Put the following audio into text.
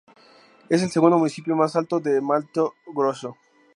Es el segundo municipio más alto de Mato Grosso.